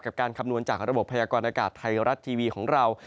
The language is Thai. การคำนวณจากระบบพยากรณากาศไทยรัฐทีวีของเรา